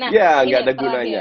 ya gak ada gunanya